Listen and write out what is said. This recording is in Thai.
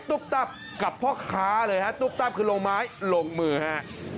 ตุ๊บตับกับพ่อค้าเลยฮะตุ๊บตับคือลงไม้ลงมือฮะ